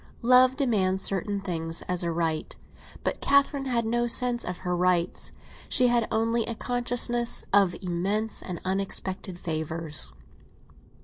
Love demands certain things as a right; but Catherine had no sense of her rights; she had only a consciousness of immense and unexpected favours.